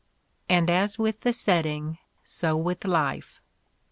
And as with the setting— so with the life.